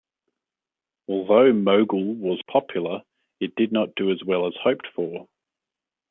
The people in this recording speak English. Although "Mogul" was popular, it did not do as well as hoped for.